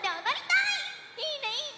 いいねいいね！